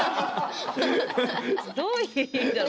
どういう意味だろう。